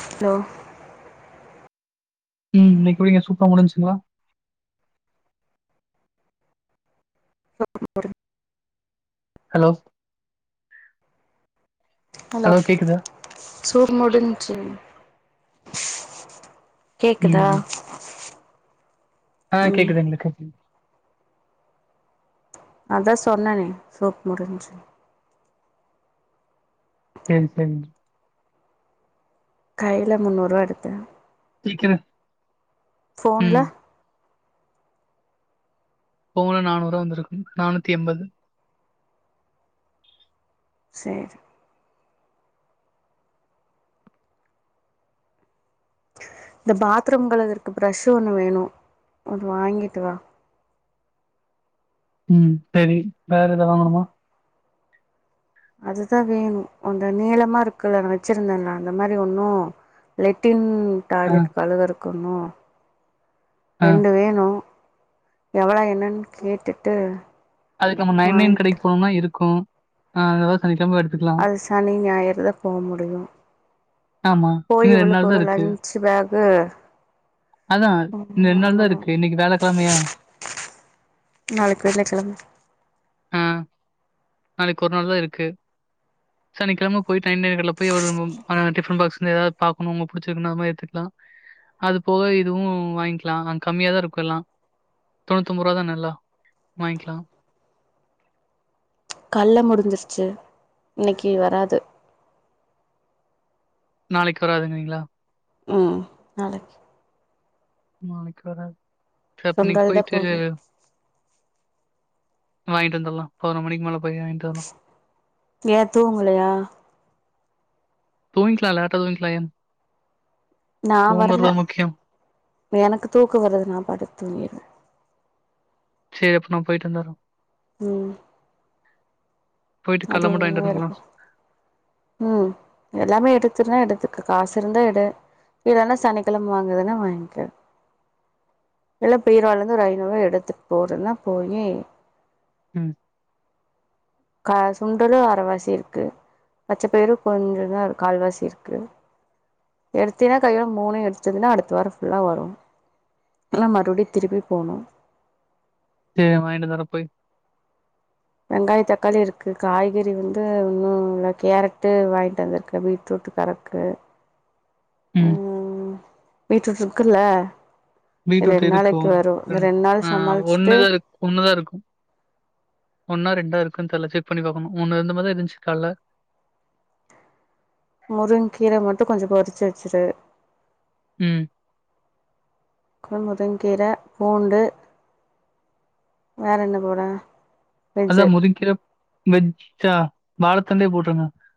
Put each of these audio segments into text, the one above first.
Hello ம் இன்னிக் குடிங்க சூப்ரா முடின்சுங்ளா [unintelligible] ஹலோ ஹலோ சூர் முடிஞ்சு கேக்குதா ம். ஆ ம் கேக்குதுங்க கேக்குது அதா சொன்னனே சூப் முடிஞ்சு செரி செரி கைய்ல முன்னூரூவா எடுத்த கேக்குது ஃபோன்ல போன்ல நானூரூபா வந்துருக்கு நானூத்தி எண்பது செரி இந்த பாத்ரூம் கலுவர்துக்கு ப்ரெஷ்ஷு ஒன்னு வேணு அது வாங்கிட்டு வா ம் செரி வேற எதா வாங்கணுமா அதுதா வேணு அந்த நீளமா இருக்குல்ல நா வெச்சிருந்தேன்ல அந்த மாரி ஒன்னு லெட்டின் ம் ஆ, டாய்லெட் கழுகருக்கு கொண்ணு ஆ. ரெண்டு வேணு எவ்வளோ என்னன்னு கேட்டுட்டு அதுக்கு நம்ம நைன் நைன் வாங்கிட்டு கடைக்கு போனோம்னா இருக்கு ஆ அதாது அது சனி ஞாயிறுதா போ முடியு ஆமா. போய் இன்னும் இவளுக்கு நாள் தான் ஒரு இருக்கு. லன்சு பேக்கு அதான் ம் இன்னும் நாள் தான் வாங்கணு இருக்கு. இன்னைக்கு வியாழக்கிழமையா? நாளைக்கு வேன கழம ஆ. நாளைக்கு ஒரு நாள் தா இருக்கு சனிக்கிழம போயிட்டு நேர் போய் எவ்வளவுனு டிஃபன் பாக்ஸ்ந்து எதாவது பாகணு அவங்க புடிச்சிருந்தா அது மாதிரி எத்துக்கலா அது போக இதுவு வாங்கிக்கலா அங்க கம்மியாாதா இருக்கும் எல்லாம் தொண்ணூத்தி ஒன்ம்பது ரூவா தான் எல்லா வாங்கிக்கலா கல்ல முடிஞ்சிருச்சு இன்னைக்கு வராது நாளைக்கு வராதுங்கீங்களா ம் நாளைக்கு நாளைக்கு வராது சர் அப்ப இன்னக்கி சுண்டல்தா போய்ட்டு போட்ணு வாங்கிட்டு வந்தர்லா பதினொ மணிக்கு மேல போயி வாங்கிட்டு வர்லா ஏ தூங்கலயா தூங்கிக்லா லேட்டா தூங்கிக்லா ஏந் நா வர்ல எனக்கு தூக்கொ வருது நா படுத்து தூங்கிருவே சே அப்ப நா போயிட்டு வந்துறே ம் போயிட்டு அது கடல மட்டும் உ வாங்கிட்டு வரணுங்களா? விருப்பொ ம் எல்லாமே எடு த்துனா எடுத்துக்க காசு இருந்தா எடு இல்லனா சனிக்கெழம வாங்குறதுனா வாங்க்க இல்ல பீரோலந்து ஒரு ஐநூறுவா எடுத்துட்டு போறதுன்னா போயி ம் கா சுண்டலு அரவாசி இருக்கு பச்சப்பயரு கொஞ்ச தா கால்வாசி இருக்கு எடுத்தீனா கையோ மூன எடுச்சதுனா அடுத்த வார ஃபுல்லா வரு இல்னா மறுபடி திருப்பி போனு சேரி வாயின்டு வந்துரே போயி வெங்காய தக்காளி இருக்கு காய்கறி வந்து ஒன்னுல்ல கேரட்டு வாங்கிட்டு வந்திருக்க பீட்ரூட்டு கடக்கு ம் பீட்ருட் இரு க்குல்ல பீட்ரூட் இருக்கு ரெண் நாள் ஆ சமாளிச்சுட்டு ஒன்னுதா இரு ஒன்னுதா இருக்கு ஒன்னா ரெண்டா இருக்குன் தெர்ல செக் பண்ணி பாக்கணு ஒன்னு இருந்த மாரிதா இருந்துச்சு கால்ல முருங் கீர மட்டு கொஞ்ச பொறிச்சு வச்சுரு ம் கு முருங்கீர பூண்டு வேற என்ன போட அதா வெஜ்ஜு முருங்கீர வெச்சா வாழத்தண்டே போட்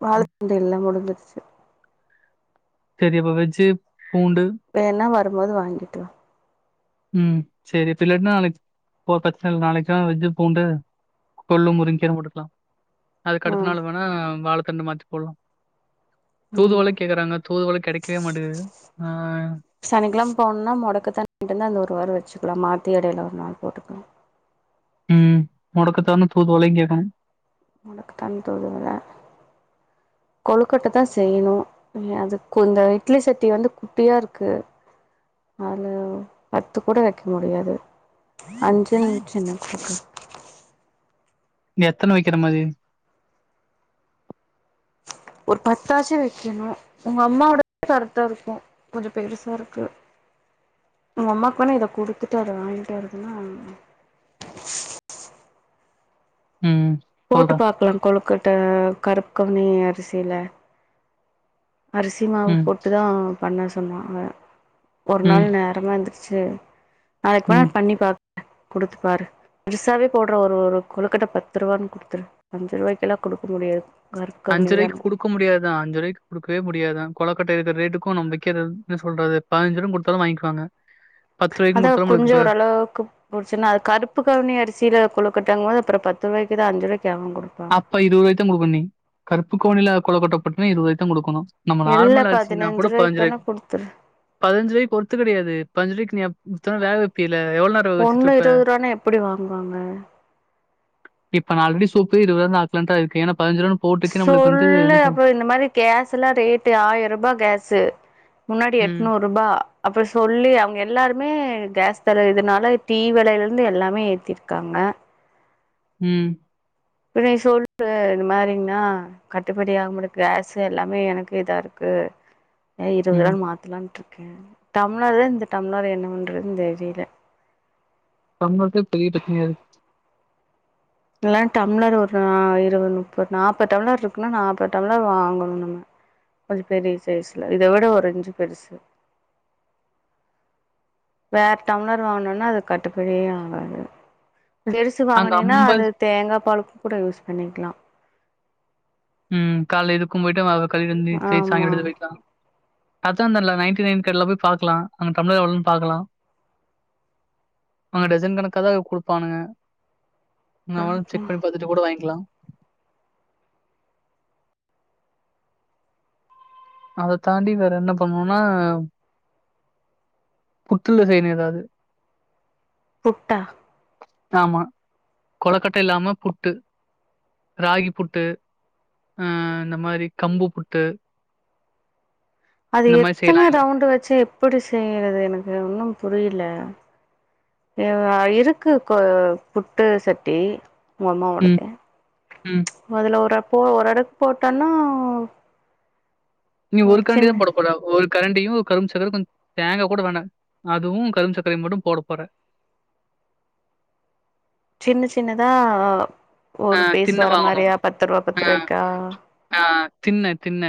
வாழதண்டு எல்லா முடுஞ்சிருச்சு சரி இப்ப வெச்சு வேன்னா வரும்போது வாங்கிட்டு வா ம் சேரி இப்ப இல்லாட்னா நாளைக் போ பிரச்சன இல்ல நாளைக்குதா வெஜ்ஜு பூண்டு கொள்ளு முருங் கீர போட்டுக்லா வா அதுக்கடுத்த ம் நாளு வேணா வாழ தண்டு மாத்தி போல்லா தூதுவளை கேக்குறாங்க சனிக்கிழம் போன்னா மொடக்கத்தான் வாங்கிட்டு வந்து அந்த ஒரு வார வச்சுக்லா மா த்தி எடைல ஒரு நாள் போட்டுக்கலா ம் மொடக்கத்தானு தூதுவளையு கேக்கணு முடக்குத்தான் தூதுவள கொழுக்கட்ட தா செய்யணு அதுக்குந்த இட்லி சட்டி வந்து குட்டியாருக்கு அதுல பத்து கூட வக்க முடியாது அஞ்சுன்‌ சின்ன [unintelligible] இங்க எத்தன வக்கிற மாரி ஒரு பத்தாச்சு வைக்கணு உங்க அம்மாவோடது கரெக்ட்டா இருக்கு கொஞ்சம் பெருசா இருக்கு உங்க அம்மாக்கு வேணா இத குடுத்துட்டு அத வாங்கிட்டு வரதுனா ம். போட்டு சொல்றா. பாக்கலா கொழுக்கட்ட கருப்பு கவுனி அ ரிசில அரிசி மாவு ம். போட்டுதா பண்ண சொன்னா அவ ஒரு நாள் ம். நேரமா எந்திரி ச்சு நாளைக்கி ம். ரூ. வேண்ணா பண்ணி பாக்குறே குடுத்துப் பாரு பெருசாவே போட்ற ஒரு கொழுக்கட்ட பத்து ரூவான்னு குடுத்துரு அஞ்சு ரூவாய்க்கெலா குடுக்க முடியாது. கருப்பு கவுனி அஞ்சு ரூவாய்க்கு தான குடுக்க முடியாதுதா அஞ்சு ரூவாய்க்கு குடுக்கவே முடி யாதுதா கொழக்கட்ட இருக்குற ரேட்டுக்கு நம் வைக்கற என்ன சொல்றது பாஞ்சுரூபானு குடுத்தாலு வாங்கிக்குவாங்க. ரூ. அதா குடுத்தாலும் நம்மளுக்கு கொஞ்சோ த ஓரளவுக்கு போச்சுன்னா அது கருப்பு கவுனி அரிசில கொழுக்கட்டங்கும்போது அப்புற பத்து ரூவாய்க்கிதா அஞ்சு ரூவாய்க் அப்ப இருவது ரூவாய்க்குதா குடுக்கணு நீ. கருப்புக்கவுனில கொழுக்கட்ட போட்டினா இருவது ரூவாய் க்குதா குடுக்கணு நம்ம இல்ல நார்மல் அரிசினா கூட பதினஞ்சு பதனஞ்சு ரூவாய்க்கு வேணா ரூவாய்க்கி குடுத்துரு பதினஞ்சு ரூவாய்க்கு ஒர்த் இல்லடி அது பதினஞ்சு ரூவாய்க்கு நீ எப் எத்தன வேக வைப்ப இல்ல எவ்ளவு நேரோ வேக வச்சுட்டு ஒண்ணு இருப்ப இருவது ரூவானா எப்டி வாங்குவாங்க இப்ப நா ஆல்ரெடி இது இருவது ரூவான்னு ஆக்கலான்னுதா இருக்கே ஏன்னா ரூ. போட்டுக்கே நம்மளுக்கு வந்து சொல்லு என்ன சொல் அப்புறோ இந்த மாரி கேஸ் எல்லா ரேட்டு ஆயர்ரூபா கேஸு முன்னாடி ம், எட்நூறு ரூபா அப்பற சொல்லி அவங்க எல்லாரு மே கேஸ் [unintelligible] இதுனால டீ வெலையில இருந்து எல்லாமே ஏத்திருக்காங்க ம் இப்ப நீ சொல்லு இந்த மாரிங்னா கட்டுபடி ஆக மாட்டிங்குது கேஸு எல்லாமே எனக்கு இதா இருக்கு ஏ இருவது ம். ரூவான்னு மாத்துலான்ட்டு க்கு டம்ளரு இந்த டம்ளர் என்ன பண்றதுன்னு தெரில டம்ளருக்கே பெரிய பிரச்சனையா இருக் இல்லனா டம்ளர் ஒரு நா இருவது நுப்பது நாப்பது டம்ளர் இருக்குன்னா நாப்பது டம்ளர் வாங்கணு நம்ம கொஞ்ச பெரிய சைஸ்ல இத விட ஒரு இஞ்சு பெருசு வேற டம்ளர் வாங்குனோன்னா அது கட்டுபடியே ஆகாது [unintelligible] அங்க வாங்கினீனா அது தேங்கா பாலுக்கு கூட யூஸ் பண்ணிக்கலா. ம் கால்ல இதுக்கும் போய்ட்டு ஆமா அங்க கடைல வந்து நிறுத்தி சாயங்கால ஆமா எடுத்துட்டு போயிக்கலா அதா அந்த ந நைன்டி நைன் கடைல போய் பாக்கலா அங்க டம்ளர் எவ்ளோன்னு பாக்கலா அங்க டெசன் கணக்காதா குடுப்பானுக நாம அத செக் பாக்கலா பண்ணி பாத்துட்டு கூட வாங்கிக்கலா அத தாண்டி வேற என்ன பண்ணூனா புட்டுல செய்னு எதாது புட்டா ஆமா கொழக்கட்ட இல்லாம புட்டு ராகி புட்டு ஆ இந்த மாரி கம்பு புட்டு அது இந்த மாரி எத்தன செய்யலாம் இல்ல. ரவுண்டு வச்சு எப்புடி செய்யறது எனக்கு ஒன்னும் புரியில எ வ இருக்கு கொ புட்டு சட்டி ஒ ம், அம்மாவோடது ம். மொதல ஒர போ ஒரு அடக் போட்டன்னா நீ ஒரு கரண்டி தா போட போற ஒரு கரண்டியு கரும் சக்கர கொஞ் தேங்கா கூட வேணா அதுவு கரும் சக்கரையு மட்டு போட போற சின்ன சின்னதா ஆ ஒரு பீஸ் திண்ண வர வாங்கணும். மாரியா பத்து ருவா பத்து ஆ, ருவாய்க்கா ஆ தின்ன தின்ன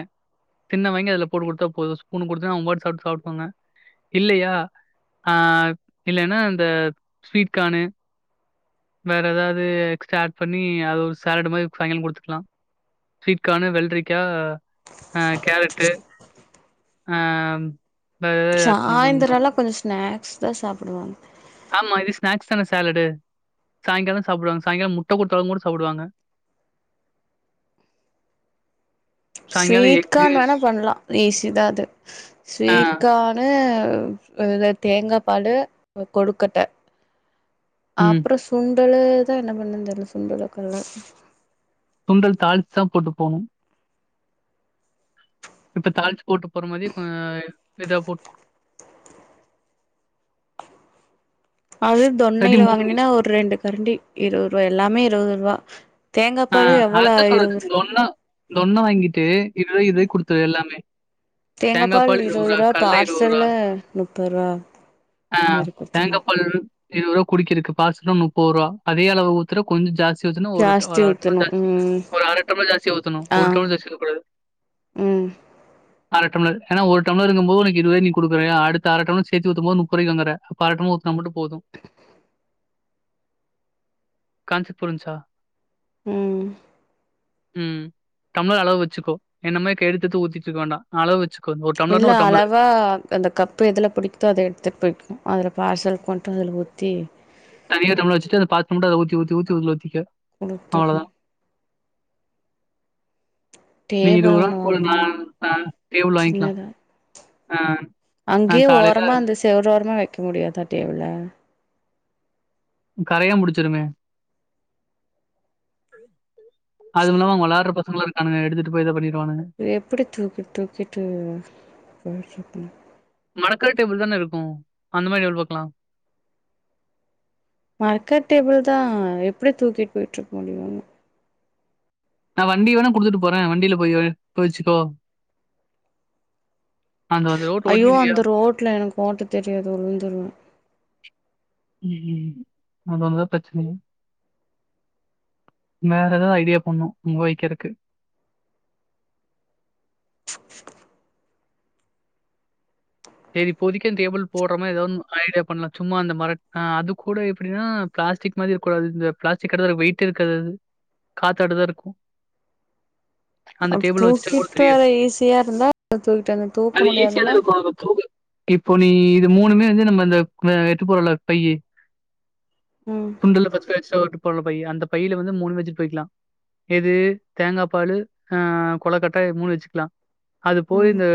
தின்ன வாங்கி அதுல போட்டு குடுத்தா போது ஸ்பூனு குடுத்தன்னா அவுங்க பாட்டு சாப்டு சாப்டுப்பாங்க இல்லயா ஆ இல்லன்னா இந்த ஸ்வீட் கானு வேற எதாவ்து எக்ஸ்ட்ரா ஆட் பண்ணி அத ஒரு சாலட் மாரி சாயங்கால குடுத்துக்லா ஸ்வீட்கானு வெள்ரிக்கா ஆ கேரட்டு ஆ வேற ஏதாவது ஆட் பண்ண கொஞ்சம் சாய்ந்தரல்லா கொஞ்ச ஸ்நாக் ஸ் தா சாப்புடுவாங்க ஆமா இது ஸ்நாக்ஸ் தான ஸாலடு சாய்ங்கால சாப்டுவாங்க சாய்ங்கால முட்ட குடுத்தாலு கூட சாப்டுவாங்க ஸ்வீட் கான் வேணா பண்லா ஈஸிதா அது ஆ. ஸ்வீட் கானு அதுத தேங்கா பாலு கொழுக்கட்ட ம். அப்றொ சு ண்டலுதா என்ன பண்ணுன் தெர்ல சுண்டலுக்கல்ல சுண்டல் தாளிச்சு தா போட்டு போனு இப்ப தாளிச்சு போட்டு போற மாரியெ கொ லைட்டா போ அது இல்லாட்டி தொண்ணைல வாங்கினினா மிக்ஸ் ஒரு ரெண்டு கரண்டி இருவருவாயா எல்லாமே இருவதுருவா ஆ அதத்தா சொல்ற தொன்ன தொன்ன வாங்கிட்டு இதுவே இதுவே குடுத்து எல்லாமே தேங்கா தேங்காய் பால் ரூ. இருவது ருவா கடல ரூ. பார்சல்ல முப்பது ருவா அ மாரி குடுத்தர்ணு இருவருவா குடிக்கிருக்கு பார்சல்னா முப்பருவா அதே அளவு ஊத்துன கொஞ்ச ஜாஸ்தி [unintelligible] ஜாஸ்தி ஊத்தணு ம் ஒரு ஆ அர டம்ளர் ஜாஸ்தி ஒரு அர டம்ளர் ஜாஸ்தியா ஊத்தணு ஆ ஒரு டம்ளர் ஜாஸ்தியாக கூடாது ம் அர டம்ளர் ஏன்னா ஒரு டம்ளர் இங்கபோது உனக்கு இதுவே நீ குடுக்குறயா அடுத்த அர டம்ளர் சேத்து ஊத்தும் போது நுப்பதுரைங்கிதுகிற அப்ப அர டம்ளார் ஊத்தனா மட்டும் போதும் கான்சப்ட் புரிஞ்சா ம் ம் டம்ளார் அளவு வச்சிக்கோ என்ன மாரி கைழுத்து எடுத்து ஊத்திட்டுருக்க வேண்டா அளவு வச்சு இல்ல அளவா அந்த கப்பு எதுல புடிக்குதோ அத எடுத்துட்டு போய்க்குனு அதுல பார்சல் கொண்ட்டு அதுல ஊத்தி தனியா டம்ளார் வச்சிட்டு அந்த பார்சல் மட்டும் அத ஊத்தி ஊத்தி ஊத்தி உள்ள வச்சிக்க குடுத்தறனு நீ டேபிள் இருவதுரா ஒன்னு குடுல நா வாங்கணு நா டேபுள் வாங்கிலா ஆ அங்கே நான் காலையில ஓரமா அந்த செவுரு ஓரமா வை க்க முடியாத டேபுல கரையான் புடிச்சிருமே அதுமில்லாம அவுங்க விளாற பசங்களா இருக்கானுங்க எடுத்துட்டு போயி எதா பண்ணி இத எப்பிடி தூக்கி தூக்கிட்டு போவறது மடக்கர டேபுள் தானே இருக்கும் அந்த மாரி டேபுள் பாக்கலா மடக்கர டேபுள் தா எப்படி தூக்கிட்டு போயிட்டு இருக்க முடியும் நான் வண்டி வேணா குடுத்துட்டு போறேன் வண்டியில போய் போய்ச்சுக்கோ ஐயோ அந்த ரோட்ல எனக்கு ஓட்ட தெரியாது விழுந்துருவ ம் ம் அது ஒண்ணுதா பிரச்சனையே வேற எதாவது ஐடியா பண்ணும் அங்க வைக்கிறக்கு சரி இப்போதைக்கி அந்த டேபிள் போடுற மாரி எதா ஒண்ணு ஐடியா பண்ணலா சும்மா அந்த மர ஆ அது கூட எப்பிடின்னா பிளாஸ்டிக் மாரி இருக்க கூடாது இந்த பிளாஸ்டிக் கடுறத வெயிட் இருக்காது அது காத்தாடுதா இருக்கு அப்ப தூக்கிட்டு வற ஈஸியா இருந்தா தூக்கிட்டு வந்த அது தூக்க ஈஸியா தான் முடியாதுன்னா இருக்கும். அது இப்போ நீ இது மூணுமே வந்து நம்ம அந்த ப எட்டு போறோம் இல்ல பையி ம் துண்டுல ஃபர்ஸ்ட் எக்ஸ்ட்ரா ஓட்டி போறோல்ல பையி அந்த பையில வந்து மூணுமே வச்சிட்டு போயிக்கலா எது தேங்கா பாலு ஆ கொளக்கட்ட மூணு வச்சிக்கலா அது போய் ம் இந்த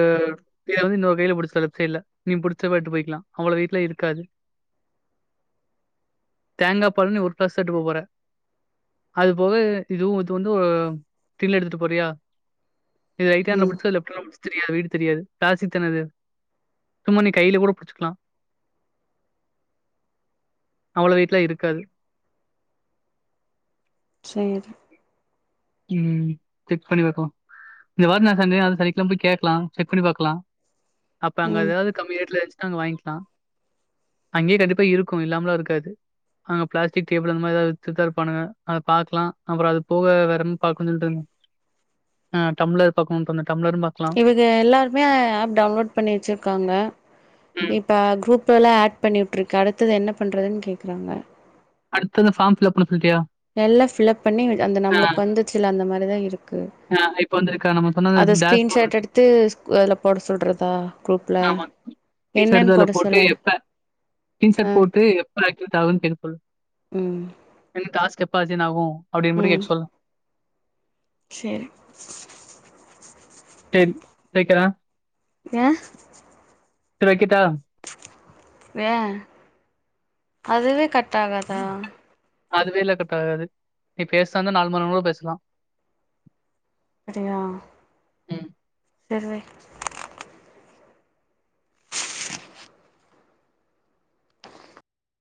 அதாவது இந்த வகையில புடிச்சி லெப்ட் சைட்ல நீ புடிச்ச பாட்டு போயிக்கிலா அவ்ளோ வெய்ட்லா இருக்காது தேங்கா பாலு நீ ஒரு பர்சட்டு போ போற அதுபோக இதுவும் இது வந்து ஒரு தில்லு எடுத்துட்டு போறியா இது ரைட் ஹேண்ட்ல ம் புடிச்சுக்கோ இத லெஃப்ட் ஹேண்ட்ல புடிச்சிக்கிறியா வெயிட் தெரியாது பிளாஸ்டிக் தான இது. சும்மா நீ கையில கூட புடிச்சுக்கலா அவ்ளோ வெயிட்டு்லா இருக்காது சேரி ம் செக் பண்ணி பாக்கலா இந்த வாரம் நா சன்டே அது சனிக்கெழம போய் கேக்கலாம் செக் பண்ணி பாக்கலா அப்ப அங்க ம் எதாவது கம்மி ரேட்ல இருன்ச்சு து அங்க வாங்கிக்கிலா அங்கே கண்டிப்பா இருக்கு இல்லாமலா இருக்காது அங்க பிளாஸ்டிக் டேபுள் அந்த மாரி எதா வச்சிதா இருப்பானுங்க அத பாக்கலா அப்புறம் அது போக வேற பாக்குனு இன்ட்ருந்த ஆ டம்ளார் பாகக்குனு இன்ட்ருந்த இவுக எல்லாருமே ஆப் டவுன்லோட் பண்ணி வச்சிருக்காங்க ம். இப்ப குரூப் எல்லா ஆட் பண்ணி விட்ருக்கு அடுத்தது என்ன பண்றதுன்னு கேக்குறாங்க. அடுத்தது ஃபார்ம் ஃபில் அப்னு சொல்ட்டியா? நல்ல பிலப் பண்ணி அந்த ஆ. நம்மளுக்கு வந்துச்சி இல்ல அந்த மாரி அப்டே தா இருக் ஆ இப்ப வந்துருக்கா நம்ம சொன்னது டேஸ் இன்ஷார்ட்டு எடுத்து கு அதுல போட சொல்றதா ஆ ஆமா ஸ்கீன் ஷாட் எடுத்து அதுல போட்டு் சொல்லு எப்ப கீன் ஆ ஷாட் போட்டு எப்ப அடுத்தது தேவைன்னு கேக்க சொல்லு. ம் இல்லனா டாஸ்க் எப் ப அசைன் ஆகு அப்டின்னு மட்டு கேக்க சொல்லு செரி செரி வெக்கிறே யேன் செரி வெக்கிட்டா? வே அதுவே கட்ட ஆகாதா? அதுவே இல்ல கட் ஆகாது நீ பேசறதா இருந்தா நாலு மணி நேரங்கூட பேசலா. அதயா சரி வை [unintelligible]